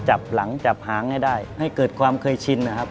จับหลังจับหางให้ได้ให้เกิดความเคยชินนะครับ